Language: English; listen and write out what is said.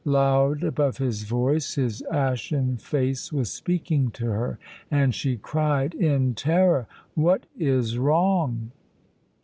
Loud above his voice his ashen face was speaking to her, and she cried in terror, "What is wrong?"